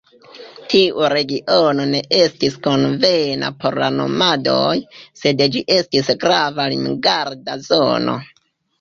Tiu regiono ne estis konvena por la nomadoj, sed ĝi estis grava limgarda zono.